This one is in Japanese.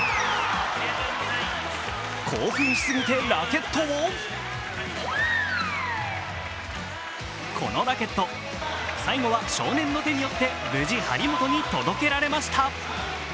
興奮しすぎてラケットもこのラケット、最後は少年の手によって無事に張本に届けられました。